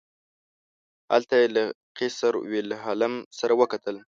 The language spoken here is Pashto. هلته یې له قیصر ویلهلم سره وکتل.